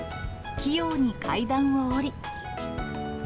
器用に階段を下り。